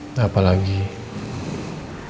ada yang pengen aku omongin sih mas